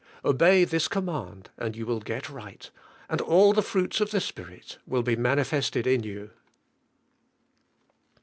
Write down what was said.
Obey this command and you will get right, and all the fruits of the Spirit will be mani fested in you.